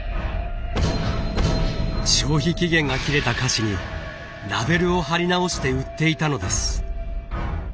消費期限が切れた菓子にラベルを貼り直して売っていたのです。